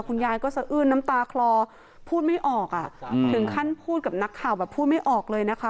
คุณยายก็สะอื้นน้ำตาคลอพูดไม่ออกอ่ะถึงขั้นพูดกับนักข่าวแบบพูดไม่ออกเลยนะคะ